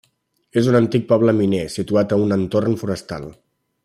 És un antic poble miner, situat a un entorn forestal.